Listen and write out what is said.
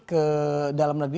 ke dalam negeri